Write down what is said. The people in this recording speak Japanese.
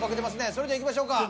それではいきましょうか。